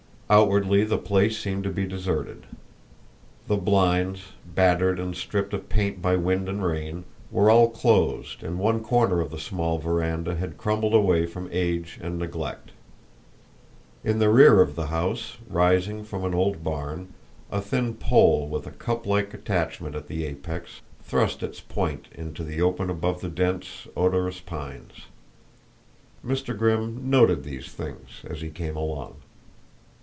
Outwardly the place seemed to be deserted. The blinds, battered and stripped of paint by wind and rain, were all closed and one corner of the small veranda had crumbled away from age and neglect. In the rear of the house, rising from an old barn, a thin pole with a cup like attachment at the apex, thrust its point into the open above the dense, odorous pines. Mr. Grimm noted these things as he came along.